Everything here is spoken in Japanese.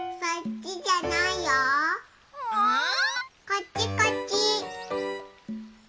・こっちこっち。